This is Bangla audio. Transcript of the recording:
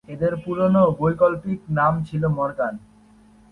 এঁদের পুরানো বৈকল্পিক নাম ছিল মরগান।